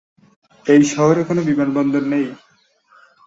এ শহরে কোন বিমানবন্দর নেই।